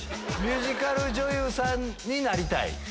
ミュージカル女優さんになりたい？